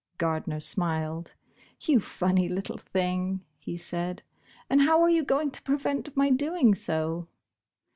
Gardner smiled. You funny little thing," he said; "and how are you going to prevent my doing so?"